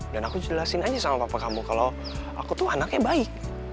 dan aku jelasin aja sama papa kamu kalau aku tuh anaknya baik